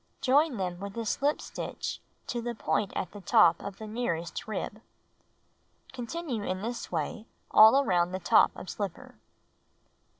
Join them with a slip stitch to the point at the top of the nearest rib. Continue in this way all around top of slipper.